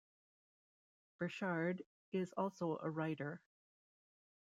Burchard is also a writer.